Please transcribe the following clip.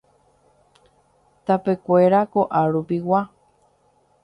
Tapekuéra ko'arupigua.